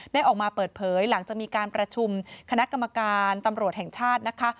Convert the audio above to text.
ออกมาเปิดเผยหลังจากมีการประชุมคณะกรรมการตำรวจแห่งชาตินะคะ